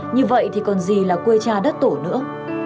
như vậy thì còn gì là quê cha đất tổ nữa